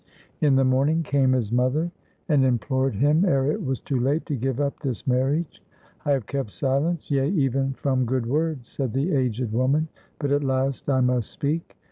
In the morning came his mother, and implored him ere it was too late to give up this marriage. "I have kept silence, yea even from good words," said the aged woman; "but at last I must speak.